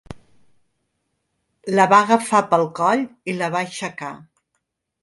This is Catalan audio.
La va agafar pel coll i la va aixecar.